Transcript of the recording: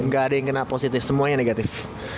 gak ada yang kena positif semuanya negatif